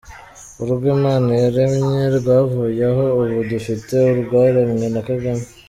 Urwo Imana yaremye rwavuyeho, ubu dufite urwaremwe na Kagame !